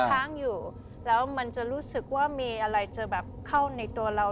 ค้างอยู่แล้วมันจะรู้สึกว่ามีอะไรจะแบบเข้าในตัวเรา